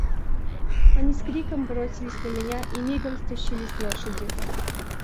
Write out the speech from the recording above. Они с криком бросились на меня и мигом стащили с лошади.